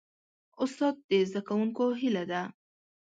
استاد د زدهکوونکو هیله ده.